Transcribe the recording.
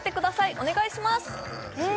お願いしますえー？